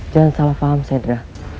jangan salah faham sedra